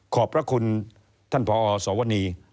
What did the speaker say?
ขอบพระคุณท่านพอสวนี